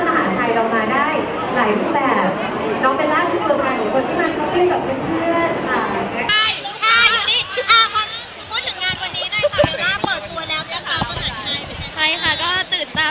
ไม่ต้องถามไม่ต้องถาม